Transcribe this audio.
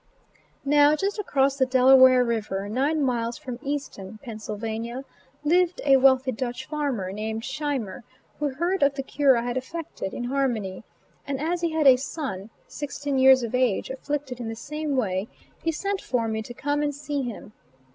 Now just across the Delaware river, nine miles above Easton, Penn., lived a wealthy Dutch farmer, named Scheimer, who heard of the cure I had effected in Harmony, and as he had a son, sixteen years of age, afflicted in the same way, he sent for me to come and see him.